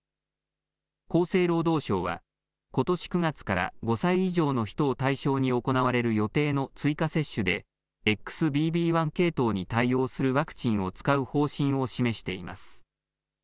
厚生労働省はことし９月から５歳以上の人を対象に行われる予定の追加接種でＸＢＢ．１系統に対応するワクチンを使う方針を示しています。